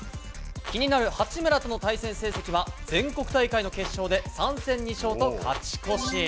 気になる八村との対戦成績は全国大会の決勝で３戦２勝と勝ち越し。